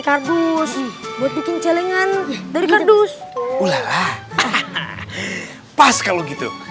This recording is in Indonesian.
kardus buat bikin celengan dari kardus ulah pas kalau gitu